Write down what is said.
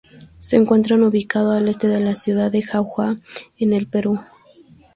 Se encuentra ubicado al este de la ciudad de Jauja, en el Perú.